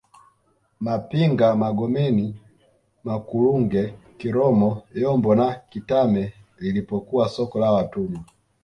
Mapinga Magomeni Makurunge Kiromo Yombo na Kitame lilipokuwa soko la watumwa